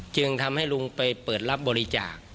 จึงทำให้ลุงไปเปิดรับบริจาค